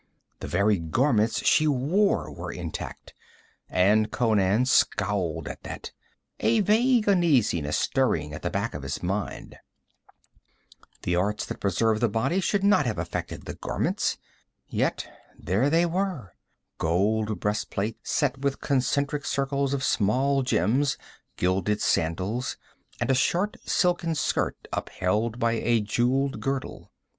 The very garments she wore were intact and Conan scowled at that, a vague uneasiness stirring at the back of his mind. The arts that preserved the body should not have affected the garments. Yet there they were gold breast plates set with concentric circles of small gems, gilded sandals, and a short silken skirt upheld by a jeweled girdle.